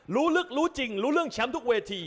รู้ลึกรู้จริงรู้เรื่องแชมป์ทุกเวที